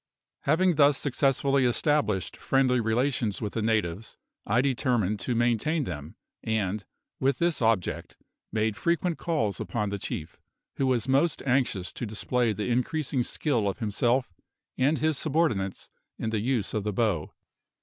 Having thus successfully established friendly relations with the natives I determined to maintain them, and, with this object, made frequent calls upon the chief, who was most anxious to display the increasing skill of himself and his subordinates in the use of the bow.